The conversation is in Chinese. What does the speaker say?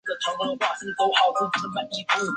故该原厂计画涂装仅能在模型中一窥其面目。